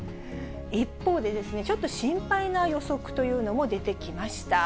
一方でですね、ちょっと心配な予測というのも出てきました。